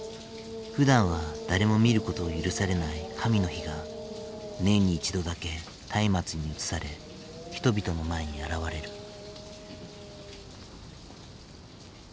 ふだんは誰も見ることを許されない神の火が年に一度だけ松明に移され人々の前に現れる。